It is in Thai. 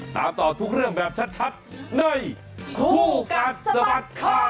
ตามต่อทุกเรื่องแบบชัดในคู่กัดสะบัดข่าว